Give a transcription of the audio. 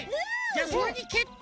それにけってい！